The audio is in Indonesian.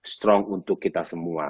strong untuk kita semua